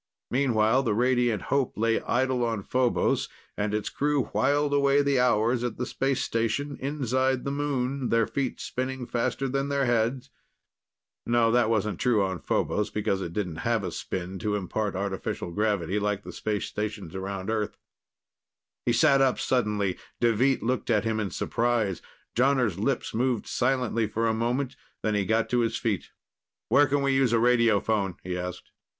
Meanwhile, the Radiant Hope lay idle on Phobos and its crew whiled away the hours at the space station inside the moon, their feet spinning faster than their heads ... no, that wasn't true on Phobos, because it didn't have a spin to impart artificial gravity, like the space stations around Earth. He sat up suddenly. Deveet looked at him in surprise. Jonner's lips moved silently for a moment, then he got to his feet. "Where can we use a radiophone?" he asked.